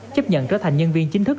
chấp nhận trở thành nhân viên chính thức